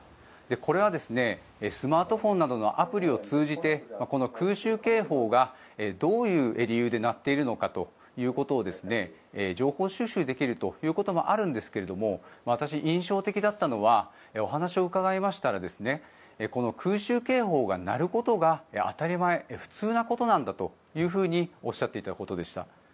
これは、スマートフォンなどのアプリを通じてこの空襲警報がどういう理由で鳴っているのかということを情報収集できるということもあるんですが私、印象的だったのはお話を伺いましたらこの空襲警報が鳴ることが当たり前普通なことなんだとおっしゃっていたことでした。